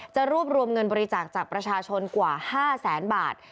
จะรวบรวมเงินบริจาคจากประชาชนกว่า๕แสนบาท